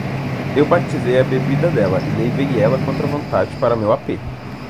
Eu batizei a bebida dela e levei ela contra a vontade para meu apê